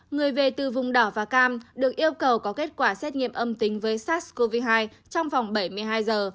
người về từ vùng đỏ và cam được yêu cầu có kết quả xét nghiệm âm tính với sars cov hai trong vòng bảy mươi hai giờ